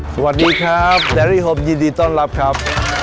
สวัสดีครับแอรี่โฮมยินดีต้อนรับครับ